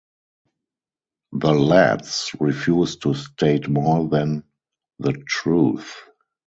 The lads refused to state more than the truth.